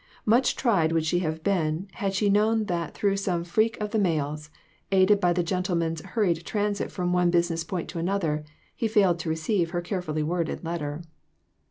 Much tried would she have been, had she known that through some freak of the mails, aided by the gentleman's hurried transit from one busi ness point to another, he failed to receive her carefully worded letter.